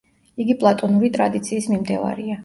იგი პლატონური ტრადიციის მიმდევარია.